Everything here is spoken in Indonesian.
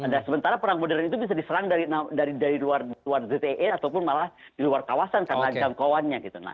dan sementara perang modern itu bisa diserang dari luar zte ataupun malah di luar kawasan karena ancang kawannya